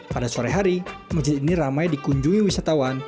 pada sore hari masjid ini ramai dikunjungi wisatawan